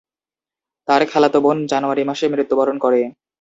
তার খালাতো বোন জানুয়ারি মাসে মৃত্যুবরণ করে।